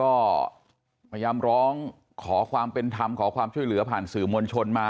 ก็พยายามร้องขอความเป็นธรรมขอความช่วยเหลือผ่านสื่อมวลชนมา